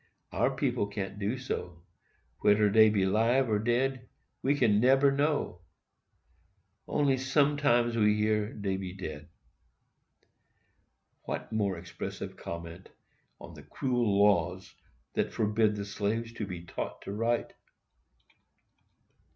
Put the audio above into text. Our people can't do so. Wheder dey be 'live or dead, we can't neber know—only sometimes we hears dey be dead." What more expressive comment on the cruel laws that forbid the slave to be taught to write!